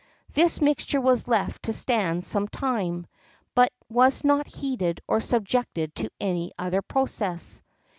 This mixture was left to stand some time, but was not heated or subjected to any other process.